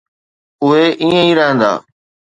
اهي ائين ئي رهندا.